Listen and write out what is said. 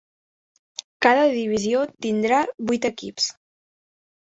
Cada divisió tindrà vuit equips.